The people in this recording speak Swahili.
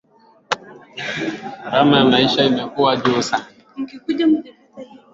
wa Vita Baridi dhidi ya Umoja wa Kisovyeti ulimsaidia katika kuteuliwa hukoBaada ya